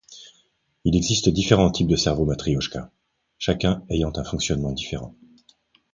Il existe différents types de cerveaux matriochka, chacun ayant un fonctionnement différent.